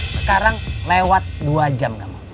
sekarang lewat dua jam kamu